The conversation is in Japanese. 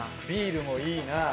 ビールもいいな。